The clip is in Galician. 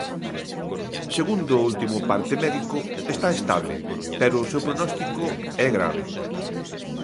Segundo o último parte médico, está estable, pero o seu prognóstico é grave.